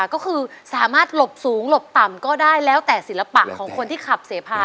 ก็คือสามารถหลบสูงหลบต่ำก็ได้แล้วแต่ศิลปะของคนที่ขับเสพา